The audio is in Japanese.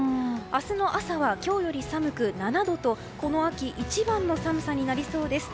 明日の朝は今日より寒く、７度とこの秋一番の寒さになりそうです。